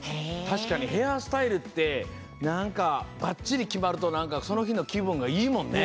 たしかにヘアスタイルってなんかバッチリきまるとなんかそのひのきぶんがいいもんね。